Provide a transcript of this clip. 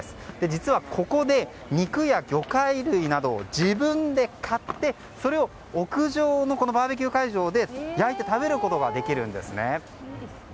実はここで肉や魚介類などを自分で買ってそれを屋上のバーベキュー会場で焼いて食べることができるんです。